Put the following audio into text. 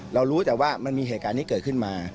รู้แต่ว่ามันมีเหตุการณ์นี้เกิดขึ้นมา